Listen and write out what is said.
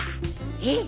えっ！？